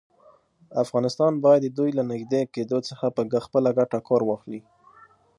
افغانستان باید د دوی له نږدې کېدو څخه په خپله ګټه کار واخلي.